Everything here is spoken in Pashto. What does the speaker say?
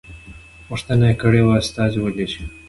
غوښتنه یې کړې وه استازی ولېږي.